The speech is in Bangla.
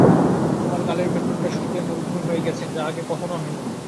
আমার গালের ভেতরটা শুকিয়ে মরুভূমি হয়ে গেছে যা আগে কখনো হয়নি।